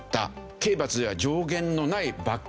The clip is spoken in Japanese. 刑罰では上限のない罰金。